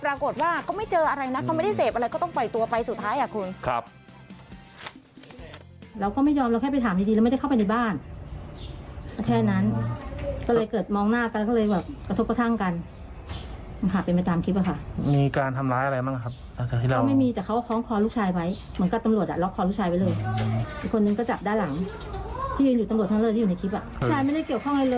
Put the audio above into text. ปรากฏว่าก็ไม่เจออะไรนะเขาไม่ได้เสพอะไรก็ต้องปล่อยตัวไปสุดท้ายอ่ะคุณ